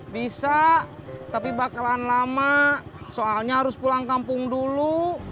bisa tapi bakalan lama soalnya harus pulang kampung dulu